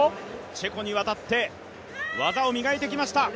チェコに渡って技を磨いてきました。